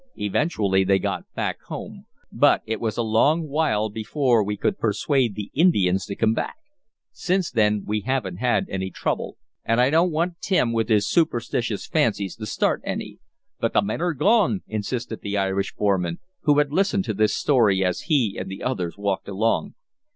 Eventually, they got back home. But it was a long while before we could persuade the Indians to come back. Since then we haven't had any trouble, and I don't want Tim, with his superstitious fancies, to start any." "But the min are gone!" insisted the Irish foreman, who had listened to this story as he and the others walked along.